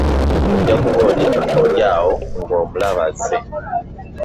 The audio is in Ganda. Ojja kuba oli awo ng'omulaba azze.